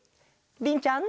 りんちゃん。